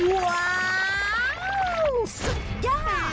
ว้าวสุดยอด